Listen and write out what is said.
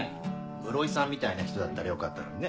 室井さんみたいな人だったらよかったのにね。